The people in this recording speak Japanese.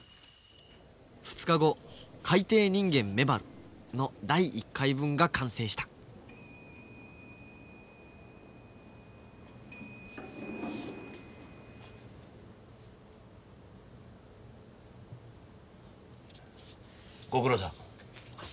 ２日後「海底人間メバル」の第１回分が完成したご苦労さん。